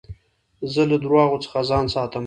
زه له درواغو څخه ځان ساتم.